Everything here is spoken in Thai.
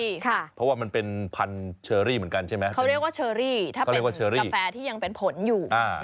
เพราะว่ามันเป็นพันธุ์เชอรี่เหมือนกันใช่ไหมเขาเรียกว่าเชอรี่ถ้าเป็นกาแฟที่ยังเป็นผลอยู่